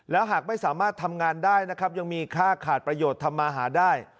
แล้วหากไม่สามารถทำงานได้นะครับยังมีค่าขาดประโยชน์ทำมาหาได้